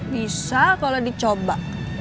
bisa kalau dicoba